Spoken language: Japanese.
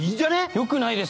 よくないです